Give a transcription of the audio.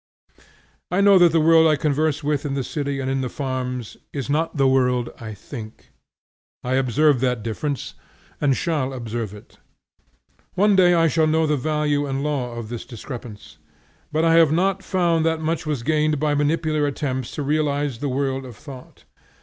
I know that the world I converse with in the city and in the farms, is not the world I think. I observe that difference, and shall observe it. One day I shall know the value and law of this discrepance. But I have not found that much was gained by manipular attempts to realize the world of thought.